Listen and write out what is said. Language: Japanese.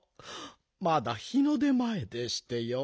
まだ日の出まえでしてよ。